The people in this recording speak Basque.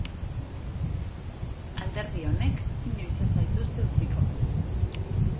Alderdi honek inoiz ez zaituzte utziko.